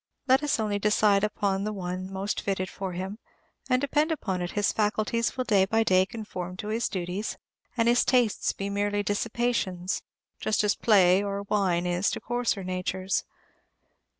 Let us only decide upon that one most fitted for him, and, depend upon it, his faculties will day by day conform to his duties, and his tastes be merely dissipations, just as play or wine is to coarser natures.